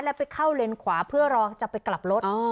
แล้วไปเข้าเลนขวาเพื่อรอจะไปกลับรถ